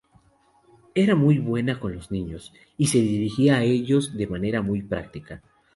Era muy buena con los niños...y se dirigía a ellos de una manera práctica.